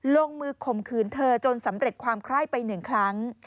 ลงมือข่มขืนเธอจนสำเร็จความไคร้ไป๑ครั้ง